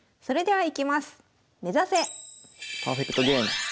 はい。